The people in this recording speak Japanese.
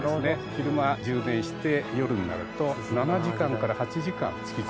昼間充電して夜になると７時間から８時間つき続けるといわれていますので。